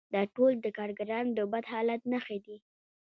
دا ټول د کارګرانو د بد حالت نښې دي